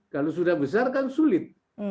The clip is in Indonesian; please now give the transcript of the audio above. kalau sudah besar kan sulit